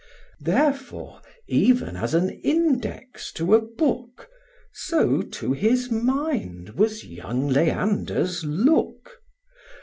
Therefore even as an index to a book, So to his mind was young Leander's look.